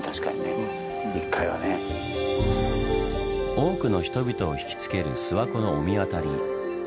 多くの人々をひきつける諏訪湖の御神渡り。